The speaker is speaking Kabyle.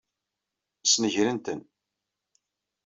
Snegren-ten.